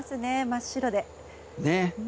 真っ白で。